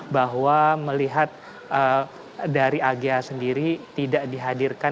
bahwa melihat dari agh sendiri tidak dihadirkan